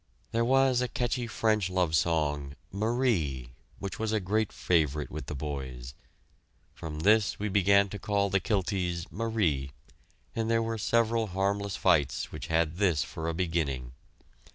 There was a catchy French love song, "Marie," which was a great favorite with the boys. From this we began to call the Kilties "Marie," and there were several harmless fights which had this for a beginning.